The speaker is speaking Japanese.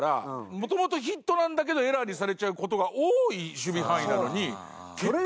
もともとヒットなんだけどエラーにされちゃう事が多い守備範囲なのに結果